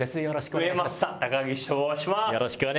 お願いいたします！